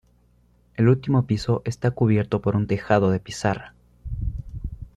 El último piso está cubierto por un tejado de pizarra.